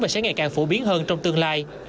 và sẽ ngày càng phổ biến hơn trong tương lai